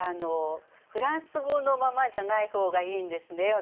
フランス語のままじゃない方がいいんですね